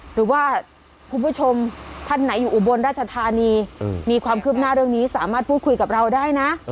คุณผู้ชมท่านไหนอยู่อุบลราชธานีมีความคืบหน้าเรื่องนี้สามารถพูดคุยกับเราได้นะ